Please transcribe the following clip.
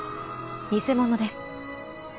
偽物です。